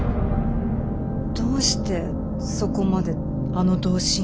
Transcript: どうしてそこまであの同心を？